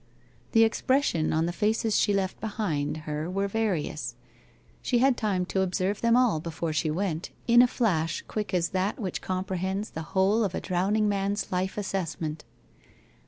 The expression on the faces she left behind her were various. She had time to observe them all before she went, in a flash quick as that which comprehends the whole of a drowning man's life assessment.